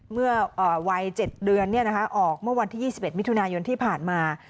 เมื่อวัย๗เดือนออกเมื่อวันที่๒๑มิถุนายนที่ผ่านมา